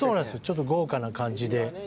ちょっと豪華な感じで。